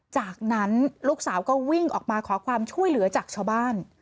จากนั้นลูกสาวก็วิ่งออกมาขอความช่วยเหลือจากชาวบ้าน